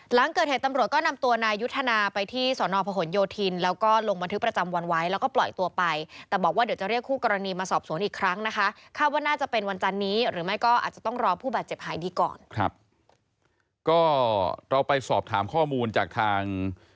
หลังเกิดเหตุตำรวจก็นำตัวนายุทธนาไปที่สอนอพหนโยธิน